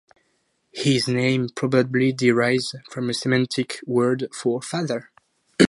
His name probably derives from a Semitic word for "father".